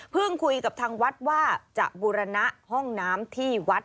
คุยกับทางวัดว่าจะบูรณะห้องน้ำที่วัด